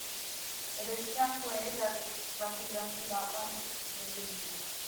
It is calculated that this represents about one sixth of the original.